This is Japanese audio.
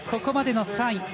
ここまでの３位。